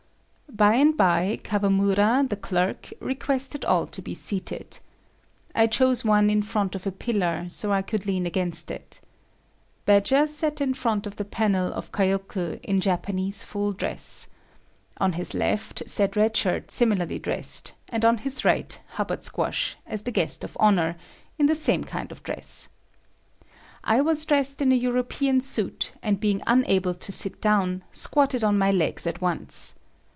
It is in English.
By and by, Kawamura, the clerk, requested all to be seated. I chose one in front of a pillar so I could lean against it. Badger sat in front of the panel of Kaioku in Japanese full dress. On his left sat Red Shirt similarly dressed, and on his right Hubbard Squash, as the guest of honor, in the same kind of dress. I was dressed in a European suit, and being unable to sit down, squatted on my legs at once.